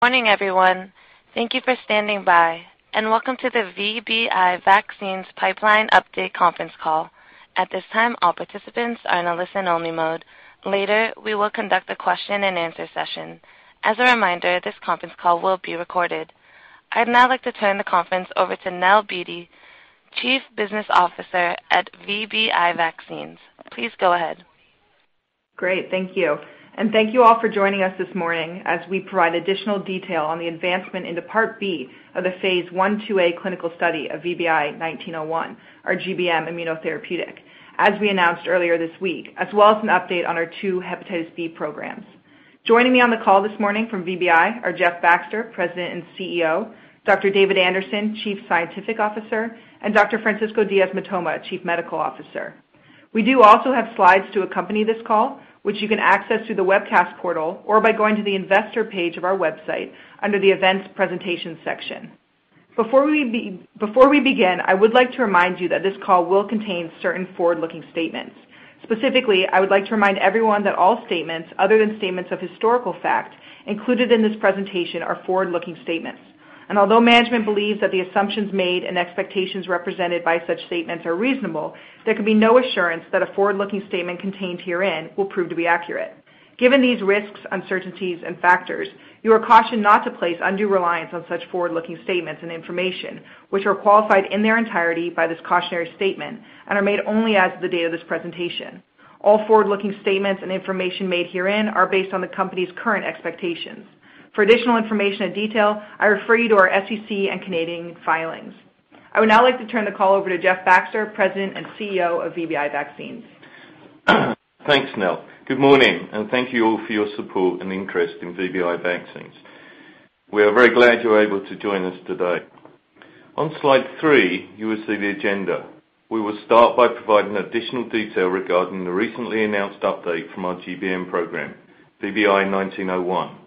Morning everyone. Thank you for standing by, and welcome to the VBI Vaccines Pipeline Update conference call. At this time, all participants are in a listen only mode. Later, we will conduct a question and answer session. As a reminder, this conference call will be recorded. I'd now like to turn the conference over to Nell Beattie, Chief Business Officer at VBI Vaccines. Please go ahead. Great. Thank you. Thank you all for joining us this morning as we provide additional detail on the advancement into Part B of the phase I/II-A clinical study of VBI-1901, our GBM immunotherapeutic, as we announced earlier this week, as well as an update on our two Hepatitis B programs. Joining me on the call this morning from VBI are Jeff Baxter, President and CEO, Dr. David Anderson, Chief Scientific Officer, and Dr. Francisco Diaz-Mitoma, Chief Medical Officer. We do also have slides to accompany this call, which you can access through the webcast portal or by going to the investor page of our website under the events presentation section. Before we begin, I would like to remind you that this call will contain certain forward-looking statements. Specifically, I would like to remind everyone that all statements other than statements of historical fact included in this presentation are forward-looking statements. Although management believes that the assumptions made and expectations represented by such statements are reasonable, there can be no assurance that a forward-looking statement contained herein will prove to be accurate. Given these risks, uncertainties, and factors, you are cautioned not to place undue reliance on such forward-looking statements and information, which are qualified in their entirety by this cautionary statement and are made only as of the date of this presentation. All forward-looking statements and information made herein are based on the company's current expectations. For additional information and detail, I refer you to our SEC and Canadian filings. I would now like to turn the call over to Jeff Baxter, President and CEO of VBI Vaccines. Thanks, Nell. Good morning, thank you all for your support and interest in VBI Vaccines. We are very glad you're able to join us today. On slide three, you will see the agenda. We will start by providing additional detail regarding the recently announced update from our GBM program, VBI-1901.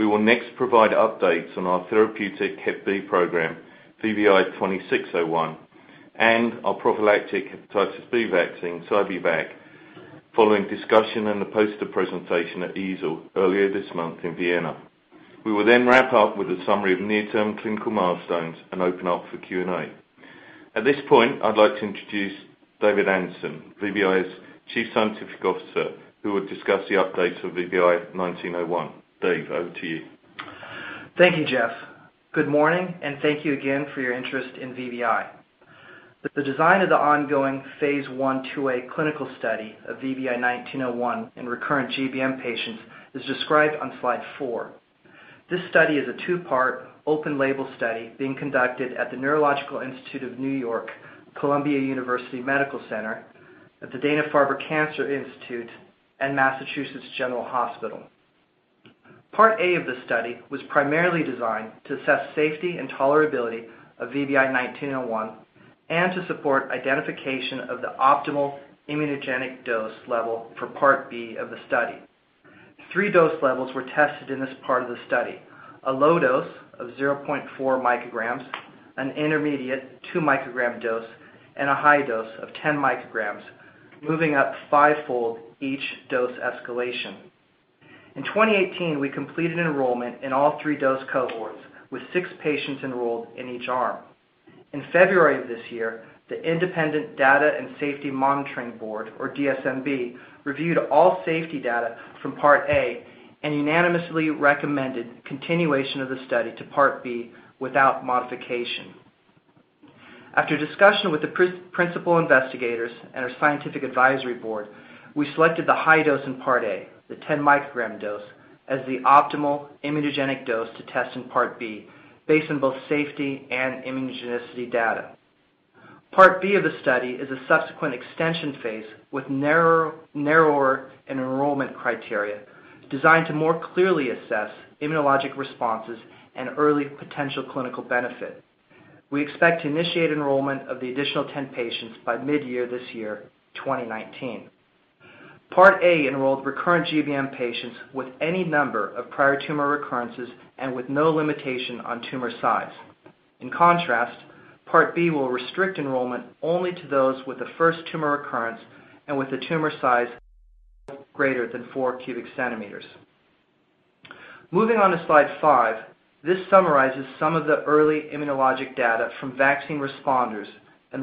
We will next provide updates on our therapeutic Hepatitis B program, VBI-2601, and our prophylactic Hepatitis B vaccine, Sci-B-Vac, following discussion and the poster presentation at EASL earlier this month in Vienna. We will then wrap up with a summary of near-term clinical milestones and open up for Q&A. At this point, I'd like to introduce David Anderson, VBI's Chief Scientific Officer, who will discuss the updates of VBI-1901. Dave, over to you. Thank you, Jeff. Good morning, and thank you again for your interest in VBI. The design of the ongoing phase 1b/2a clinical study of VBI-1901 in recurrent GBM patients is described on slide four. This study is a two-part open label study being conducted at the Neurological Institute of New York, Columbia University Medical Center, at the Dana-Farber Cancer Institute, and Massachusetts General Hospital. Part A of the study was primarily designed to assess safety and tolerability of VBI-1901 and to support identification of the optimal immunogenic dose level for Part B of the study. Three dose levels were tested in this part of the study, a low dose of 0.4 micrograms, an intermediate 2 micrograms dose, and a high dose of 10 micrograms, moving up fivefold each dose escalation. In 2018, we completed enrollment in all three dose cohorts with six patients enrolled in each arm. In February of this year, the independent Data and Safety Monitoring Board, or DSMB, reviewed all safety data from Part A and unanimously recommended continuation of the study to Part B without modification. After discussion with the principal investigators and our scientific advisory board, we selected the high dose in Part A, the 10 microgram dose, as the optimal immunogenic dose to test in Part B based on both safety and immunogenicity data. Part B of the study is a subsequent extension phase with narrower enrollment criteria designed to more clearly assess immunologic responses and early potential clinical benefit. We expect to initiate enrollment of the additional 10 patients by mid-year this year, 2019. Part A enrolled recurrent GBM patients with any number of prior tumor recurrences and with no limitation on tumor size. In contrast, Part B will restrict enrollment only to those with the first tumor recurrence and with a tumor size greater than 4 cubic centimeters. Moving on to slide five, this summarizes some of the early immunologic data from vaccine responders in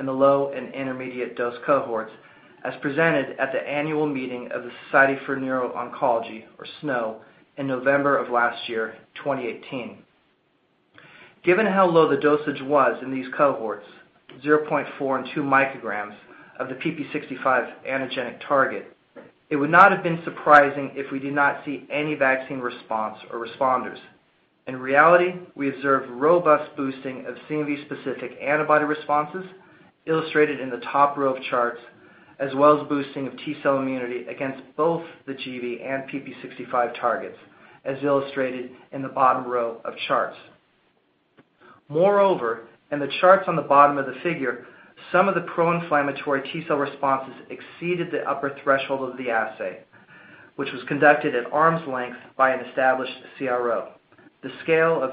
the low and intermediate dose cohorts as presented at the annual meeting of the Society for Neuro-Oncology, or SNO, in November of last year, 2018. Given how low the dosage was in these cohorts, 0.4 and 2 micrograms of the pp65 antigenic target, it would not have been surprising if we did not see any vaccine response or responders. In reality, we observed robust boosting of CMV-specific antibody responses illustrated in the top row of charts, as well as boosting of T cell immunity against both the gB and pp65 targets, as illustrated in the bottom row of charts. Moreover, in the charts on the bottom of the figure, some of the pro-inflammatory T cell responses exceeded the upper threshold of the assay, which was conducted at arm's length by an established CRO. The scale of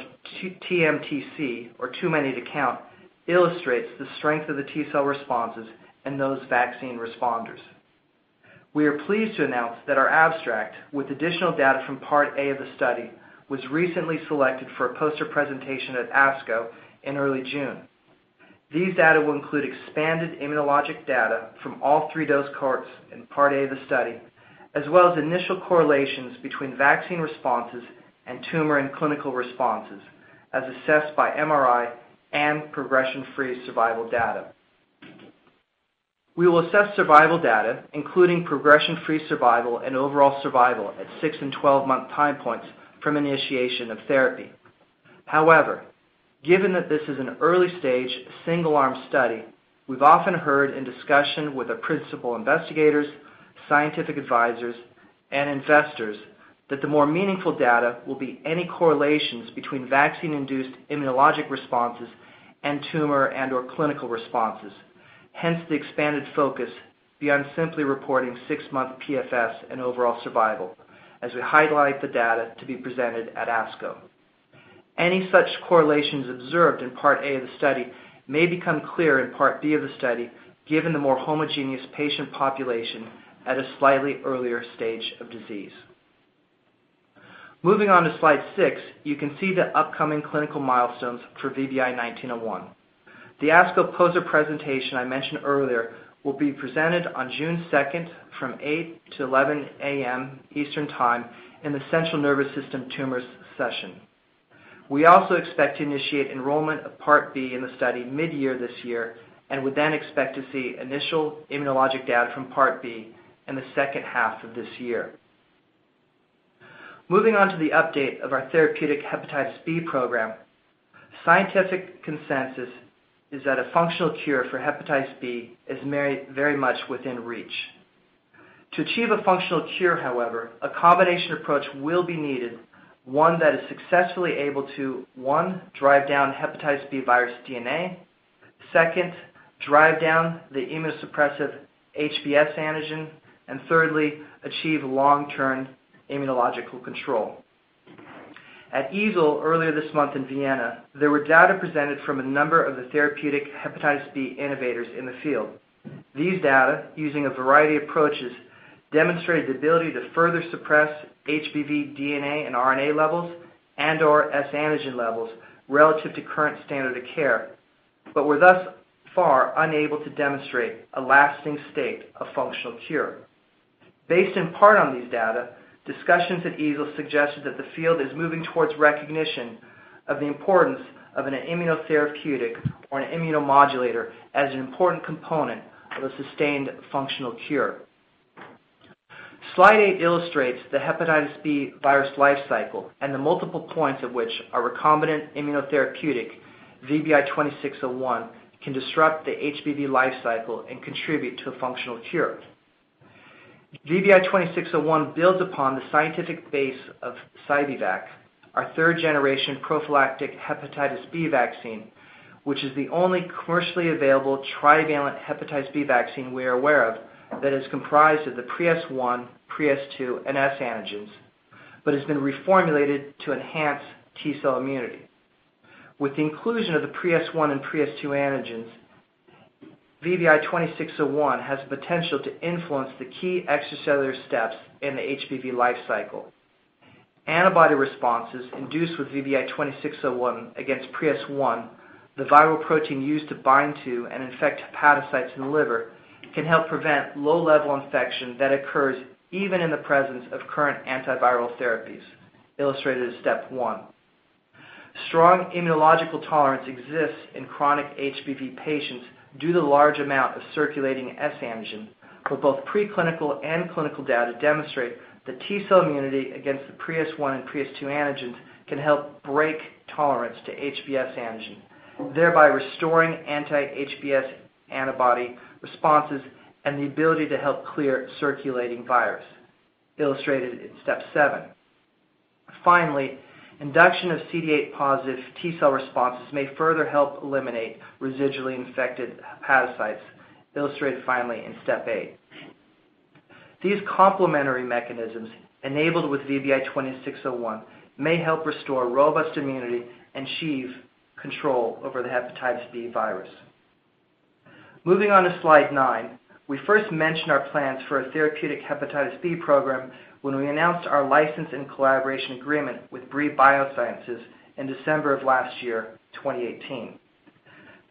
TMTC, or too many to count, illustrates the strength of the T cell responses in those vaccine responders. We are pleased to announce that our abstract with additional data from Part A of the study was recently selected for a poster presentation at ASCO in early June. These data will include expanded immunologic data from all three dose cohorts in Part A of the study, as well as initial correlations between vaccine responses and tumor and clinical responses as assessed by MRI and progression-free survival data. We will assess survival data, including progression-free survival and overall survival at six and 12-month time points from initiation of therapy. However, given that this is an early-stage single-arm study, we've often heard in discussion with our principal investigators, scientific advisors, and investors that the more meaningful data will be any correlations between vaccine-induced immunologic responses and tumor and/or clinical responses. Hence, the expanded focus beyond simply reporting six-month PFS and overall survival as we highlight the data to be presented at ASCO. Any such correlations observed in Part A of the study may become clear in Part B of the study, given the more homogeneous patient population at a slightly earlier stage of disease. Moving on to slide six, you can see the upcoming clinical milestones for VBI-1901. The ASCO poster presentation I mentioned earlier will be presented on June 2nd from 8:00 A.M. to 11:00 A.M. Eastern Time in the Central Nervous System Tumors session. We also expect to initiate enrollment of Part B in the study mid-year this year and would then expect to see initial immunologic data from Part B in the second half of this year. Moving on to the update of our therapeutic Hepatitis B program. Scientific consensus is that a functional cure for Hepatitis B is very much within reach. To achieve a functional cure, however, a combination approach will be needed, one that is successfully able to, one, drive down Hepatitis B virus DNA; second, drive down the immunosuppressive HBsAg; and thirdly, achieve long-term immunological control. At EASL earlier this month in Vienna, there were data presented from a number of the therapeutic Hepatitis B innovators in the field. These data, using a variety of approaches, demonstrated the ability to further suppress HBV DNA and RNA levels and/or S antigen levels relative to current standard of care, but were thus far unable to demonstrate a lasting state of functional cure. Based in part on these data, discussions at EASL suggested that the field is moving towards recognition of the importance of an immunotherapeutic or an immunomodulator as an important component of a sustained functional cure. Slide eight illustrates the Hepatitis B virus life cycle and the multiple points at which our recombinant immunotherapeutic VBI-2601 can disrupt the HBV life cycle and contribute to a functional cure. VBI-2601 builds upon the scientific base of Sci-B-Vac, our third-generation prophylactic Hepatitis B vaccine, which is the only commercially available trivalent Hepatitis B vaccine we are aware of that is comprised of the Pre-S1, Pre-S2, and S antigens but has been reformulated to enhance T cell immunity. With the inclusion of the Pre-S1 and Pre-S2 antigens, VBI-2601 has the potential to influence the key extracellular steps in the HBV life cycle. Antibody responses induced with VBI-2601 against Pre-S1, the viral protein used to bind to and infect hepatocytes in the liver, can help prevent low-level infection that occurs even in the presence of current antiviral therapies, illustrated as step one. Strong immunological tolerance exists in chronic HBV patients due to the large amount of circulating S antigen. Both preclinical and clinical data demonstrate that T cell immunity against the Pre-S1 and Pre-S2 antigens can help break tolerance to HBsAg, thereby restoring anti-HBs antibody responses and the ability to help clear circulating virus, illustrated in step seven. Finally, induction of CD8-positive T cell responses may further help eliminate residually infected hepatocytes, illustrated finally in step eight. These complementary mechanisms enabled with VBI-2601 may help restore robust immunity and achieve control over the Hepatitis B virus. Moving on to slide nine. We first mentioned our plans for a therapeutic Hepatitis B program when we announced our license and collaboration agreement with Brii Biosciences in December of last year, 2018.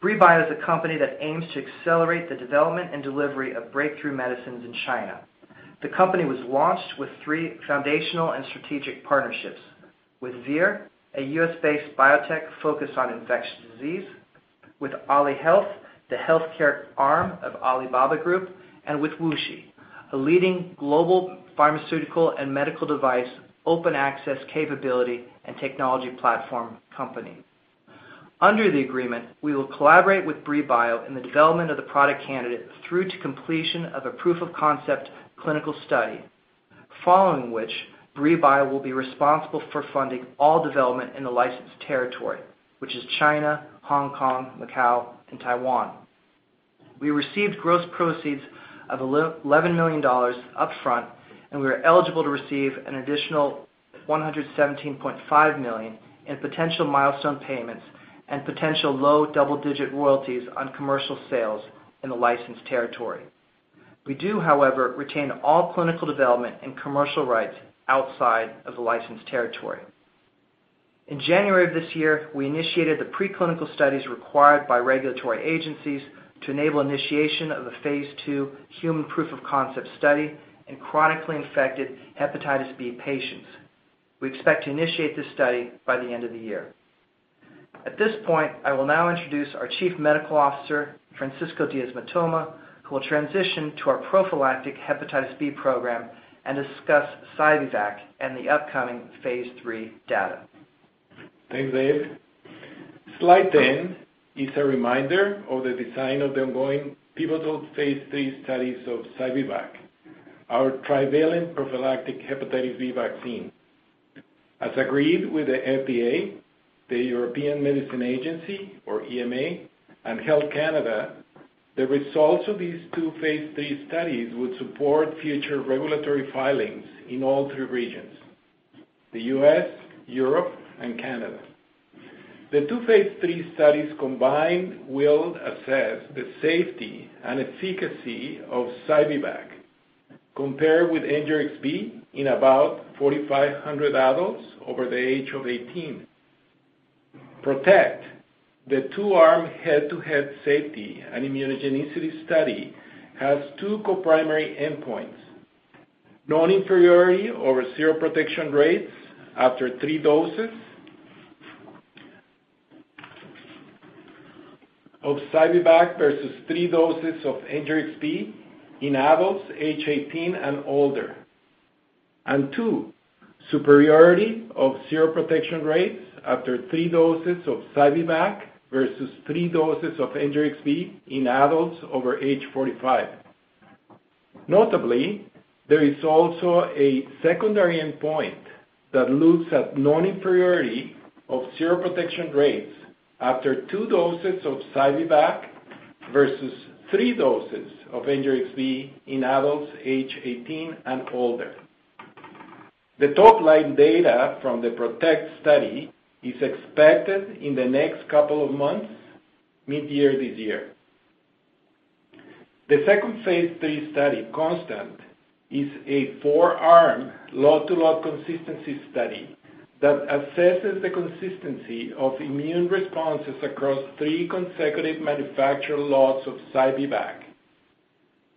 Brii Bio is a company that aims to accelerate the development and delivery of breakthrough medicines in China. The company was launched with three foundational and strategic partnerships with Vir Biotechnology, a U.S.-based biotech focused on infectious disease; with Alibaba Health, the healthcare arm of Alibaba Group; and with WuXi, a leading global pharmaceutical and medical device open-access capability and technology platform company. Under the agreement, we will collaborate with Brii Bio in the development of the product candidate through to completion of a proof-of-concept clinical study. Following which, Brii Bio will be responsible for funding all development in the licensed territory, which is China, Hong Kong, Macau, and Taiwan. We received gross proceeds of $11 million upfront, and we are eligible to receive an additional $117.5 million in potential milestone payments and potential low double-digit royalties on commercial sales in the licensed territory. We do, however, retain all clinical development and commercial rights outside of the licensed territory. In January of this year, we initiated the preclinical studies required by regulatory agencies to enable initiation of a phase II human proof of concept study in chronically infected Hepatitis B patients. We expect to initiate this study by the end of the year. At this point, I will now introduce our Chief Medical Officer, Francisco Diaz-Mitoma, who will transition to our prophylactic Hepatitis B program and discuss Sci-B-Vac and the upcoming phase III data. Thanks, David. Slide 10 is a reminder of the design of the ongoing pivotal phase III studies of Sci-B-Vac, our trivalent prophylactic Hepatitis B vaccine. As agreed with the FDA, the European Medicines Agency, or EMA, and Health Canada, the results of these two phase III studies would support future regulatory filings in all three regions, the U.S., Europe, and Canada. The two phase III studies combined will assess the safety and efficacy of Sci-B-Vac compared with Engerix-B in about 4,500 adults over the age of 18. PROTECT, the two-arm head-to-head safety and immunogenicity study, has two co-primary endpoints, non-inferiority over seroprotection rates after three doses of Sci-B-Vac versus three doses of Engerix-B in adults age 18 and older. Two, superiority of seroprotection rates after three doses of Sci-B-Vac versus three doses of Engerix-B in adults over age 45. Notably, there is also a secondary endpoint that looks at non-inferiority of sero protection rates after two doses of Sci-B-Vac versus three doses of Engerix-B in adults age 18 and older. The top-line data from the PROTECT study is expected in the next couple of months, mid-year this year. The second phase III study, CONSTANT, is a four-arm lot-to-lot consistency study that assesses the consistency of immune responses across three consecutive manufactured lots of Sci-B-Vac.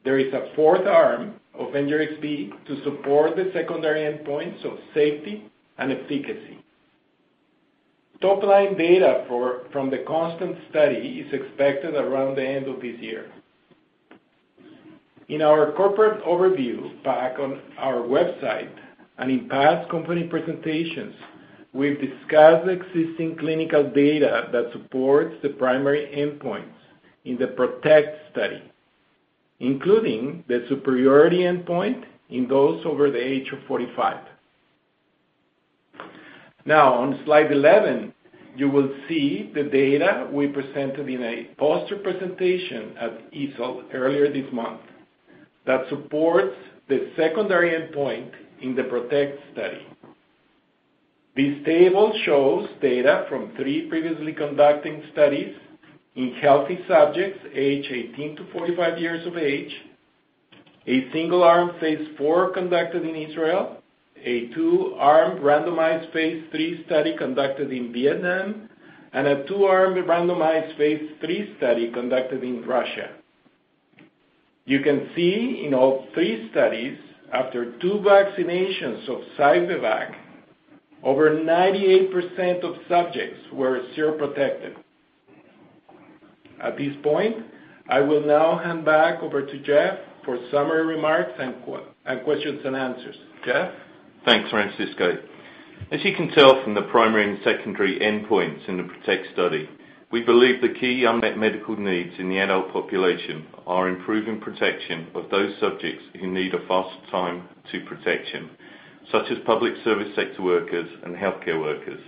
There is a fourth arm of Engerix-B to support the secondary endpoints of safety and efficacy. Top-line data from the CONSTANT study is expected around the end of this year. In our corporate overview, back on our website and in past company presentations, we've discussed existing clinical data that supports the primary endpoints in the PROTECT study, including the superiority endpoint in those over the age of 45. On slide 11, you will see the data we presented in a poster presentation at EASL earlier this month that supports the secondary endpoint in the PROTECT study. This table shows data from three previously conducting studies in healthy subjects age 18 to 45 years of age, a single-arm phase IV conducted in Israel, a two-arm randomized phase III study conducted in Vietnam, and a two-arm randomized phase III study conducted in Russia. You can see in all three studies, after two vaccinations of Sci-B-Vac, over 98% of subjects were zero protected. At this point, I will now hand back over to Jeff for summary remarks and questions and answers. Jeff? Thanks, Francisco. As you can tell from the primary and secondary endpoints in the PROTECT study, we believe the key unmet medical needs in the adult population are improving protection of those subjects who need a faster time to protection, such as public service sector workers and healthcare workers,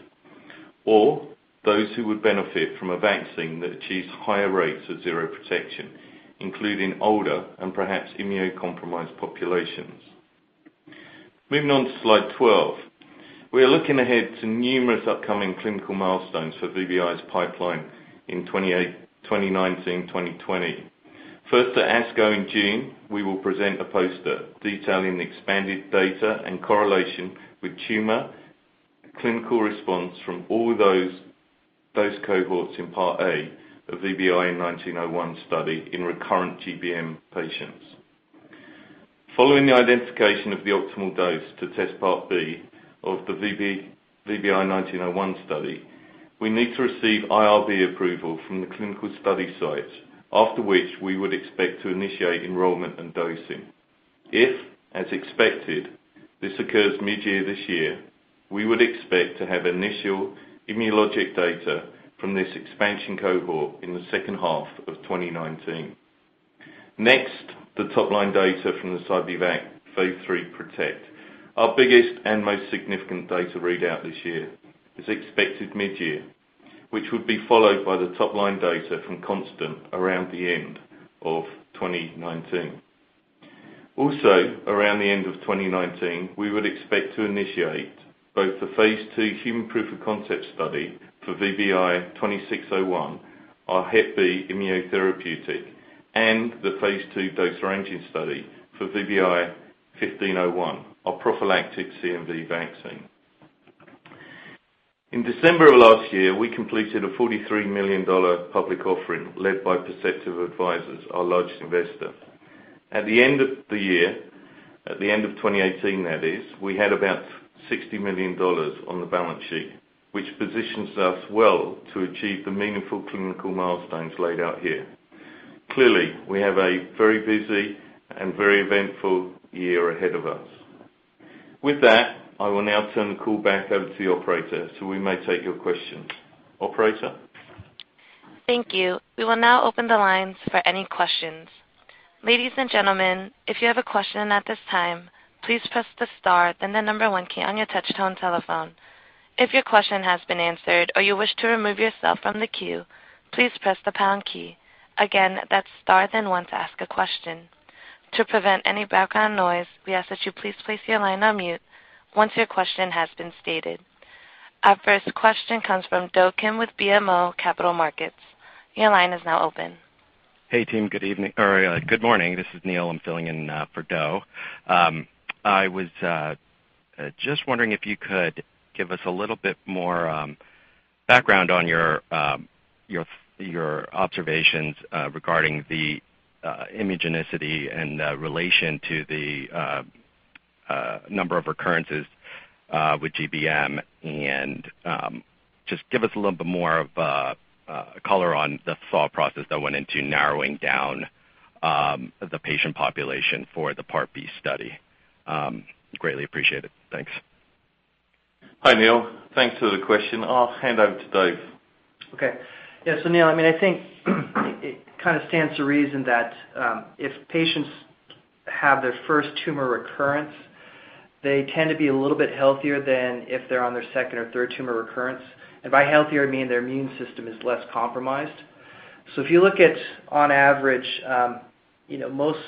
or those who would benefit from a vaccine that achieves higher rates of seroprotection, including older and perhaps immunocompromised populations. Moving on to slide 12. We are looking ahead to numerous upcoming clinical milestones for VBI's pipeline in 2019, 2020. First, at ASCO in June, we will present a poster detailing the expanded data and correlation with tumor clinical response from all those cohorts in Part A of VBI-1901 study in recurrent GBM patients. Following the identification of the optimal dose to test Part B of the VBI-1901 study, we need to receive IRB approval from the clinical study sites, after which we would expect to initiate enrollment and dosing. If, as expected, this occurs mid-year this year, we would expect to have initial immunologic data from this expansion cohort in the second half of 2019. The top-line data from the Sci-B-Vac phase III PROTECT, our biggest and most significant data readout this year, is expected mid-year, which would be followed by the top-line data from CONSTANT around the end of 2019. Around the end of 2019, we would expect to initiate both the phase II human proof of concept study for VBI-2601, our Hep B immunotherapeutic, and the phase II dose ranging study for VBI-1501, our prophylactic CMV vaccine. In December of last year, we completed a $43 million public offering led by Perceptive Advisors, our largest investor. At the end of the year, at the end of 2018 that is, we had about $60 million on the balance sheet, which positions us well to achieve the meaningful clinical milestones laid out here. Clearly, we have a very busy and very eventful year ahead of us. With that, I will now turn the call back over to the operator so we may take your questions. Operator? Thank you. We will now open the lines for any questions. Ladies and gentlemen, if you have a question at this time, please press the star then the number one key on your touch-tone telephone. If your question has been answered or you wish to remove yourself from the queue, please press the pound key. Again, that's star then one to ask a question. To prevent any background noise, we ask that you please place your line on mute once your question has been stated. Our first question comes from Do Kim with BMO Capital Markets. Your line is now open. Hey, team. Good evening or good morning. This is Neil. I'm filling in for Do. I was just wondering if you could give us a little bit more background on your observations regarding the immunogenicity in relation to the number of recurrences with GBM and just give us a little bit more of color on the thought process that went into narrowing down the patient population for the Part B study. Greatly appreciated. Thanks. Hi, Neil. Thanks for the question. I'll hand over to Dave. Neil, I think it stands to reason that if patients have their first tumor recurrence, they tend to be a little bit healthier than if they are on their second or third tumor recurrence. By healthier, I mean their immune system is less compromised. If you look at on average, most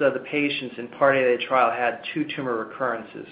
of the patients in Part A of the trial had two tumor recurrences.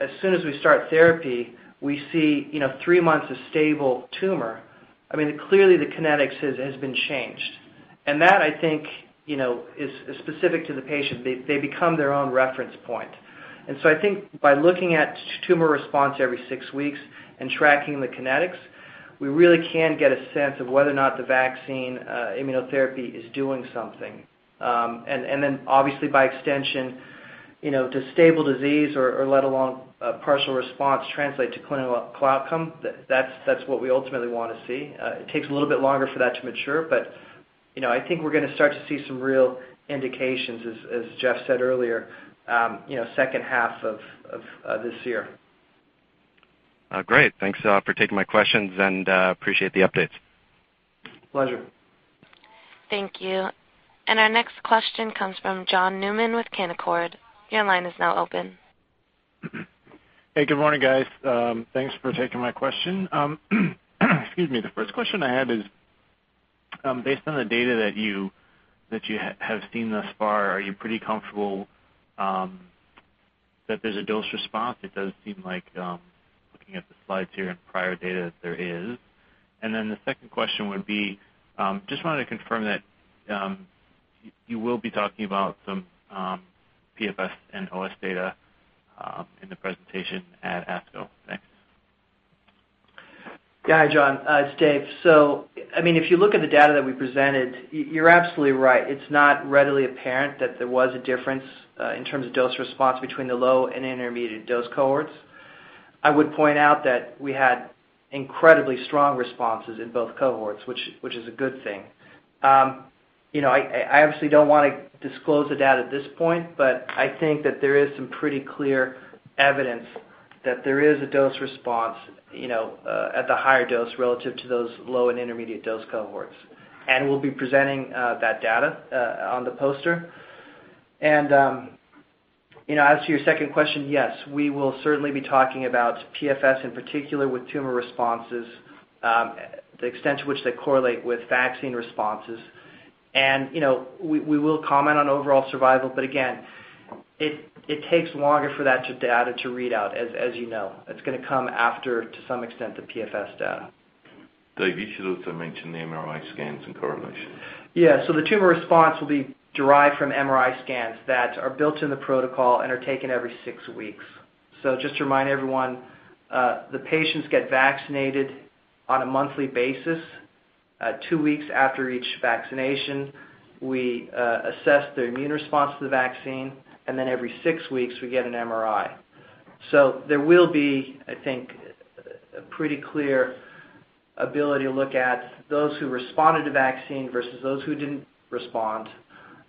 I think by looking at tumor response every six weeks and tracking the kinetics, we really can get a sense of whether or not the vaccine immunotherapy is doing something. Then obviously by extension, does stable disease or let alone partial response translate to clinical outcome? That's what we ultimately want to see. It takes a little bit longer for that to mature, but I think we're going to start to see some real indications, as Jeff said earlier, second half of this year. Great. Thanks for taking my questions and appreciate the updates. Pleasure. Thank you. Our next question comes from John Newman with Canaccord Genuity. Your line is now open. Hey, good morning, guys. Thanks for taking my question. Excuse me. The first question I have is based on the data that you have seen thus far, are you pretty comfortable that there's a dose response? It does seem like looking at the slides here and prior data that there is. The second question would be, just wanted to confirm that you will be talking about some PFS and OS data in the presentation at ASCO. Thanks. Yeah. Hi, John. It's David. If you look at the data that we presented, you're absolutely right. It's not readily apparent that there was a difference in terms of dose response between the low and intermediate dose cohorts. I would point out that we had incredibly strong responses in both cohorts, which is a good thing. I obviously don't want to disclose the data at this point, but I think that there is some pretty clear evidence that there is a dose response at the higher dose relative to those low and intermediate dose cohorts. We'll be presenting that data on the poster. As to your second question, yes, we will certainly be talking about PFS in particular with tumor responses, the extent to which they correlate with vaccine responses. We will comment on overall survival, but again, it takes longer for that data to read out, as you know. It's going to come after, to some extent, the PFS data. Dave, you should also mention the MRI scans and correlation. Yeah. The tumor response will be derived from MRI scans that are built in the protocol and are taken every six weeks. Just to remind everyone, the patients get vaccinated on a monthly basis. Two weeks after each vaccination, we assess their immune response to the vaccine, and then every six weeks we get an MRI. There will be, I think, a pretty clear ability to look at those who responded to vaccine versus those who didn't respond,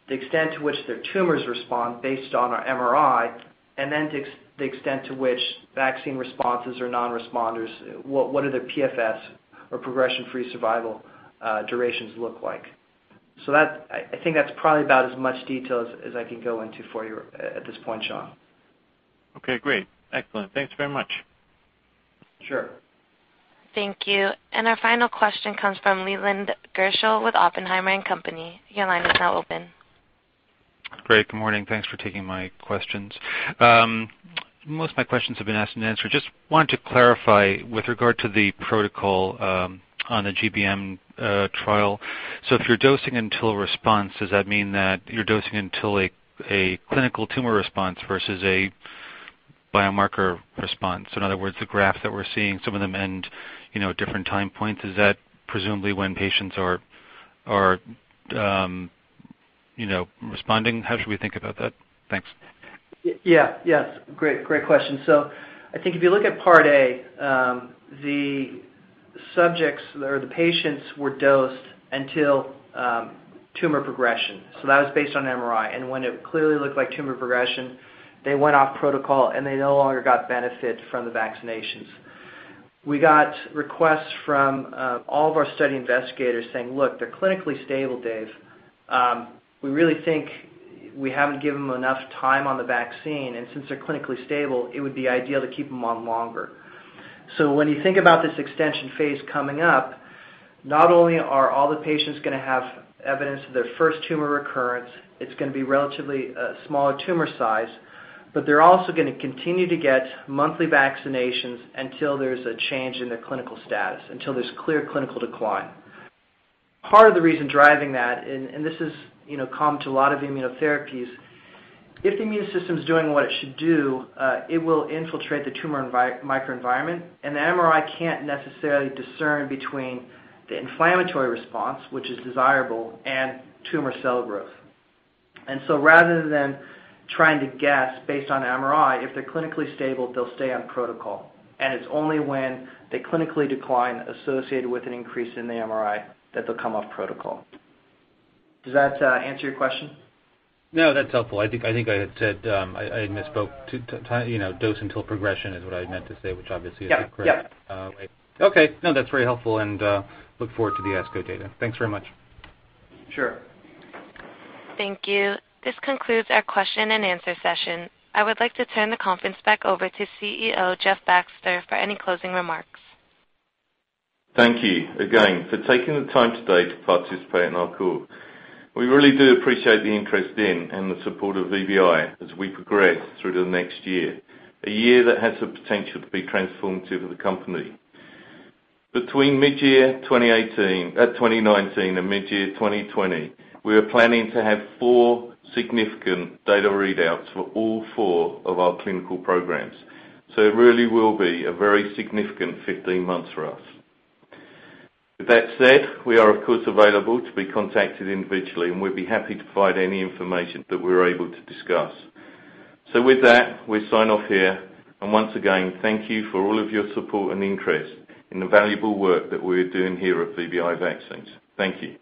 the extent to which their tumors respond based on our MRI, and then the extent to which vaccine responses or non-responders, what are their PFS or progression-free survival durations look like. I think that's probably about as much detail as I can go into for you at this point, John. Okay, great. Excellent. Thanks very much. Sure. Thank you. Our final question comes from Leland Gershell with Oppenheimer & Company. Your line is now open. Great. Good morning. Thanks for taking my questions. Most of my questions have been asked and answered. Just wanted to clarify with regard to the protocol on the GBM trial. If you're dosing until response, does that mean that you're dosing until a clinical tumor response versus a biomarker response? In other words, the graph that we're seeing, some of them end at different time points. Is that presumably when patients are responding? How should we think about that? Thanks. Yeah. Great question. I think if you look at Part A, the subjects or the patients were dosed until tumor progression. That was based on MRI. When it clearly looked like tumor progression, they went off protocol, and they no longer got benefit from the vaccinations. We got requests from all of our study investigators saying, "Look, they're clinically stable, Dave. We really think we haven't given them enough time on the vaccine, and since they're clinically stable, it would be ideal to keep them on longer." When you think about this extension phase coming up, not only are all the patients going to have evidence of their first tumor recurrence, it's going to be relatively a smaller tumor size, but they're also going to continue to get monthly vaccinations until there's a change in their clinical status, until there's clear clinical decline. Part of the reason driving that, this is common to a lot of immunotherapies, if the immune system is doing what it should do, it will infiltrate the tumor microenvironment, and the MRI can't necessarily discern between the inflammatory response, which is desirable, and tumor cell growth. Rather than trying to guess based on MRI, if they're clinically stable, they'll stay on protocol. It's only when they clinically decline associated with an increase in the MRI that they'll come off protocol. Does that answer your question? No, that's helpful. I think I had misspoke. Dose until progression is what I meant to say, which obviously is the correct- Yeah Okay. That's very helpful and look forward to the ASCO data. Thanks very much. Sure. Thank you. This concludes our question and answer session. I would like to turn the conference back over to CEO Jeff Baxter for any closing remarks. Thank you again for taking the time today to participate in our call. We really do appreciate the interest in and the support of VBI as we progress through to the next year, a year that has the potential to be transformative for the company. Between mid-year 2019 and mid-year 2020, we are planning to have four significant data readouts for all four of our clinical programs. It really will be a very significant 15 months for us. With that said, we are, of course, available to be contacted individually, and we'd be happy to provide any information that we're able to discuss. With that, we sign off here. Once again, thank you for all of your support and interest in the valuable work that we're doing here at VBI Vaccines. Thank you.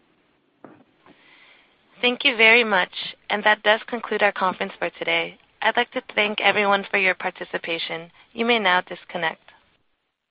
Thank you very much. That does conclude our conference for today. I'd like to thank everyone for your participation. You may now disconnect.